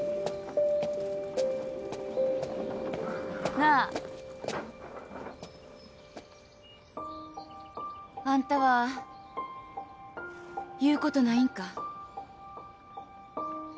なあ。あんたは言うことないんか？